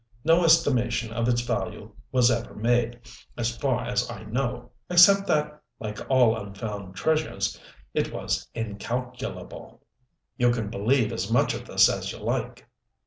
No estimation of its value was ever made, as far as I know except that, like all unfound treasures, it was 'incalculable.' "You can believe as much of this as you like.